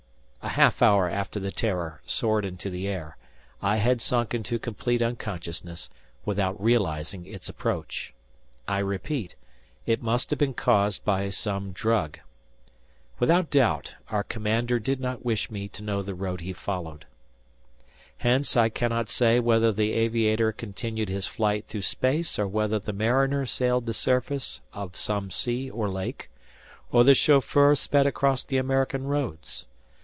A half hour after the "Terror" soared into the air, I had sunk into complete unconsciousness, without realizing its approach. I repeat, it must have been caused by some drug. Without doubt, our commander did not wish me to know the road he followed. Hence I cannot say whether the aviator continued his flight through space, or whether the mariner sailed the surface of some sea or lake, or the chauffeur sped across the American roads.